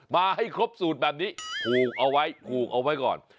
มาให้ครบสูตรแบบนี้ผูกเอาไว้ผูกเอาไว้ก่อน